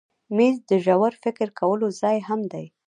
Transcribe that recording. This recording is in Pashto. مېز د ژور فکر کولو ځای هم دی.